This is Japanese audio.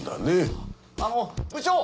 あの部長！